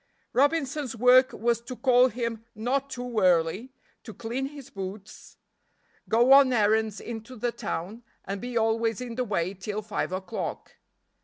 Robinson's work was to call him not too early, to clean his boots, go on errands into the town, and be always in the way till five o'clock.